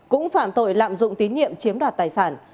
cũng phạm tội lạm dụng tín nhiệm chiếm đoạt tài sản